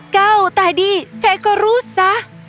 kau tadi sekor rusa